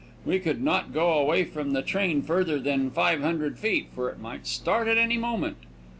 We could not go away from the train further than five hundred feet, for it might start at any moment.